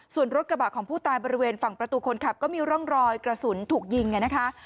ส่วนรถกระบะของผู้ตายบริเวณฝั่งประตูคนขับก็มีร่องรอยกระสุนถูกยิงนะคะ